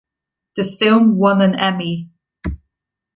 The film won an Emmy.